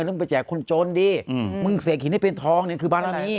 มึงไปแจกคนจนดิมึงเสกหินให้เป็นทองเนี่ยคือบารมี